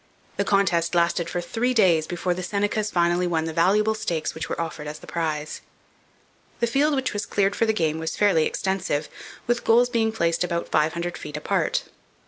The contest lasted for three days before the Senecas finally won the valuable stakes which were offered as the prize. The field which was cleared for the game was fairly extensive, the goals being placed about five hundred feet apart.